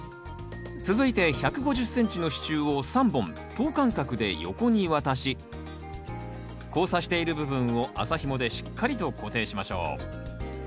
続いて１５０ｃｍの支柱を３本等間隔で横にわたし交差している部分を麻ひもでしっかりと固定しましょう。